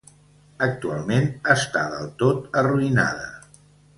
Actualment està del tot arruïnada.